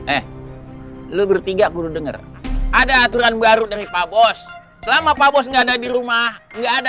eh lo bertiga guru denger ada aturan baru dari pak bos selama pak bos nggak ada di rumah enggak ada